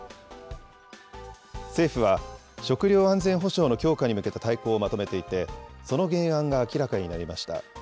政府は、食料安全保障の強化に向けた大綱をまとめていて、その原案が明らかになりました。